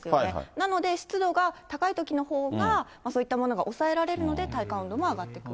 なので、湿度が高いときのほうがそういったものが抑えられるので、体感温度も上がってくる。